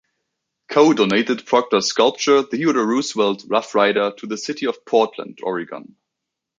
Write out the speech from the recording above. Coe donated Proctor's sculpture, "Theodore Roosevelt, Rough Rider", to the city of Portland, Oregon.